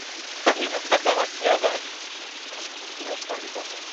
Each section is headed by an editor, who oversees a staff of reporters.